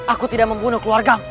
aku tidak membunuh keluarga